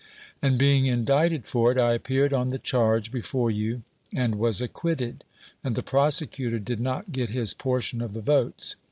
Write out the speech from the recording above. And being in dicted for it, I appeared on the charge before you, and was acquitted; and the prosecutor did not get his portion of the votes.